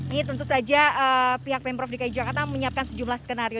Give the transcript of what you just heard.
ini tentu saja pihak pemprov dki jakarta menyiapkan sejumlah skenario